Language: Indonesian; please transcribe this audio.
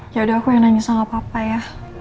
yaudah aku yang nanya sama papa ya